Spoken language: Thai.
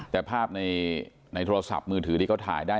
แต่ภาพในโทรศัพท์มือถือที่เขาถ่ายได้